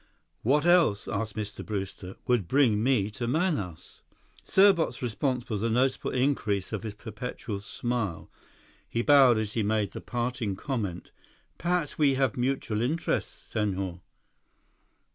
"What else," asked Mr. Brewster, "would bring me to Manaus?" Serbot's response was a noticeable increase of his perpetual smile. He bowed as he made the parting comment: "Perhaps we have mutual interests, Senhor."